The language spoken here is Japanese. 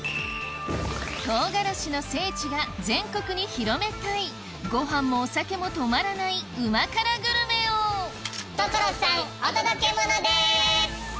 とうがらしの聖地が全国に広めたいご飯もお酒も止まらない旨辛グルメを所さんお届けモノです！